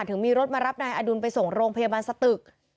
ถึงมีรถมารับนายอดุลไปส่งโรงพยาบาลสตึก